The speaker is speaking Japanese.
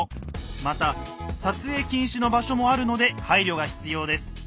また撮影禁止の場所もあるので配慮が必要です。